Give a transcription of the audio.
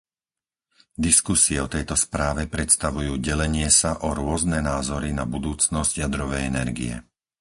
Diskusie o tejto správe predstavujú delenie sa o rôzne názory na budúcnosť jadrovej energie.